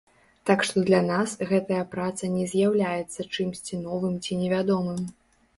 Так што для нас гэтая праца не з'яўляецца чымсьці новым ці невядомым.